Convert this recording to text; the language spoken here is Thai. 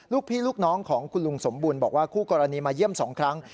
ลูกพี่ลูกน้องของคุณลุงสมบูรณ์บอกว่าคู่กรณีมาเยี่ยม๒ครั้ง